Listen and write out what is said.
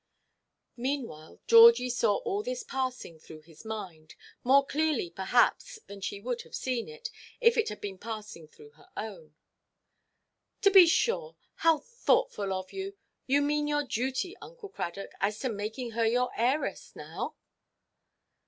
Meanwhile Georgie saw all this passing through his mind—more clearly, perhaps, than she would have seen it, if it had been passing through her own. "To be sure. How thoughtful of you! You mean your duty, Uncle Cradock, as to making her your heiress, now?"